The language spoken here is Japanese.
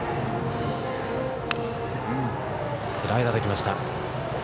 スライダーできました。